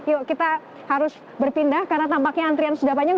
yuk kita harus berpindah karena tampaknya antrian sudah panjang